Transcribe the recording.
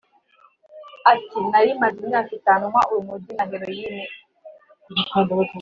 Ati “Nari maze imyaka itanu nywa urumogi na heroine